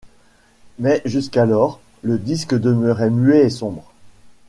Mais jusqu’alors, le disque demeurait muet et sombre.